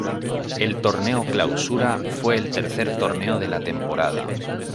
El Torneo Clausura fue el tercer torneo de la temporada.